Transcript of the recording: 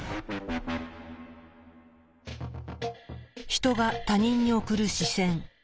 ヒトが他人に送る視線。